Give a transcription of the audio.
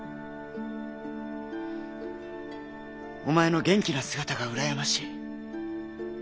お前の元気な姿がうらやましい。